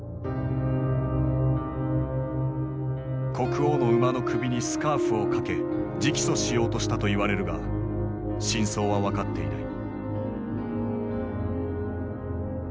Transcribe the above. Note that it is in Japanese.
国王の馬の首にスカーフを掛け直訴しようとしたといわれるが真相は分かっていない。